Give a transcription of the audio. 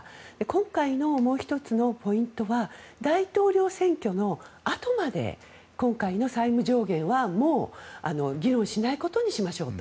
今回のもう１つのポイントは大統領選挙のあとまで今回の債務上限はもう議論しないことにしましょうと。